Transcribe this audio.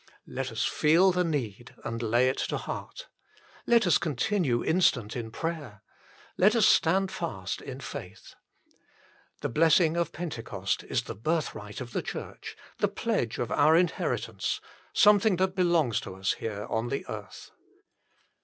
Let us feel the need and lay it to heart. Let us continue instant in prayer. Let us stand fast in faith. The blessing of Pentecost is the birthright of the Church, the pledge of our inheritance, some thing that belongs to us here on the earth.